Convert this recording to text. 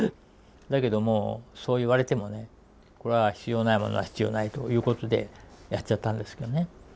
だけどもそう言われてもね必要ないものは必要ないということでやっちゃったんですよね。